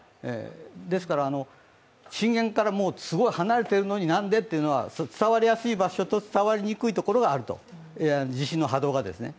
ですから、震源からもうすごい離れているのになんでというのは、伝わりやすい場所と伝わりにくい場所がある、地震の波動がですね。